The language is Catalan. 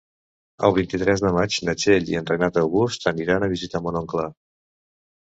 El vint-i-tres de maig na Txell i en Renat August aniré a visitar mon oncle.